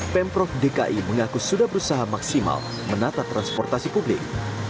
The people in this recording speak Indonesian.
pemprov dki mengaku sudah berusaha maksimal menata transportasi publik